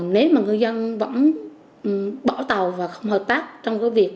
nếu mà ngư dân vẫn bỏ tàu và không hợp tác trong cái việc